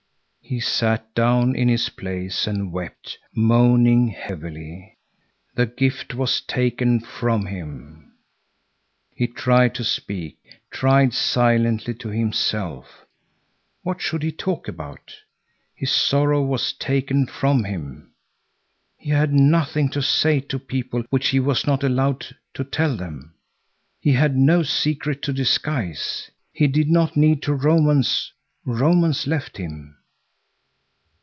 He sat down in his place and wept, moaning heavily. The gift was taken from him. He tried to speak, tried silently to himself. What should he talk about. His sorrow was taken from him. He had nothing to say to people which he was not allowed to tell them. He had no secret to disguise. He did not need to romance. Romance left him.